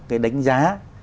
cái đánh giá